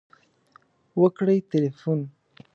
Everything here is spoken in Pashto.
.وکړئ تلیفون